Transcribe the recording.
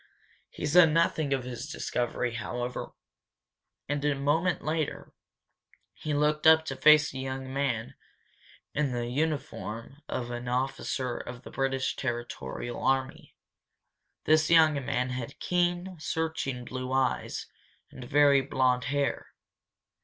He said nothing of his discovery, however, and a moment later he looked up to face a young man in the uniform of an officer of the British territorial army. This young man had keen, searching blue eyes, and very blond hair.